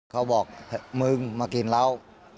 เขาบอกมึงมากินเหล้า